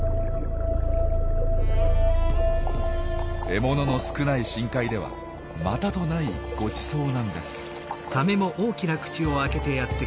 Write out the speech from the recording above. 獲物の少ない深海ではまたとないごちそうなんです。